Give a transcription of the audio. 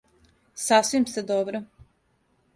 Сасвим сте добро.